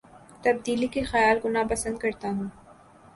تبدیلی کے خیال کو نا پسند کرتا ہوں